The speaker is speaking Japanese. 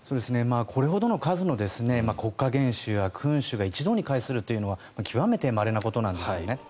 これほどの数の国家元首や君主が一堂に会するというのは極めてまれなことなんですよね。